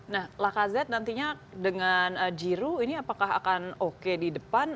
nah lacazette nantinya dengan girou ini apakah akan oke di depan